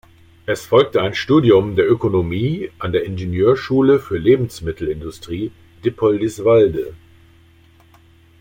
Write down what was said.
Es folgte ein Studium der Ökonomie an der Ingenieurschule für Lebensmittelindustrie Dippoldiswalde.